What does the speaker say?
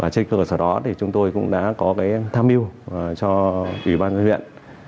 trên cơ sở đó chúng tôi cũng đã có tham mưu cho ủy ban dân dân huyện